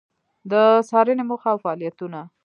د څــارنـې موخـه او فعالیـتونـه: